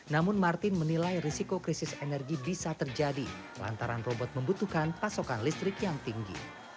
namun martin menilai risiko krisis energi bisa terjadi lantaran robot membutuhkan pasokan listrik yang tinggi